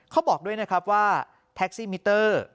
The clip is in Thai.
เขาบอกด้วยนะครับว่าแท็กซี่มิเตอร์